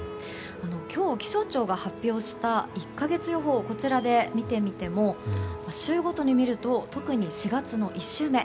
今日、気象庁が発表した１か月予報を見てみても週ごとにみると特に４月の１週目。